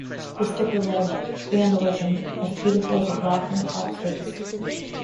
The sticker read: "Vandalism: As beautiful as a rock in a cop's face".